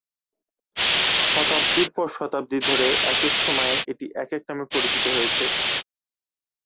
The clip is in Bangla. শতাব্দীর পর শতাব্দী ধরে একেক সময়ে এটি একেক নামে পরিচিত হয়েছে।